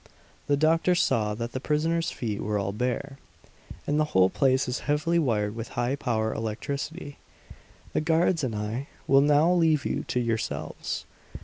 The doctor saw that the prisoners' feet were all bare. "And the whole place is heavily wired with high power electricity! "The guards and I will now leave you to yourselves."